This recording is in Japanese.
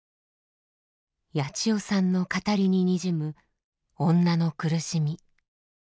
ヤチヨさんの語りににじむ女の苦しみ。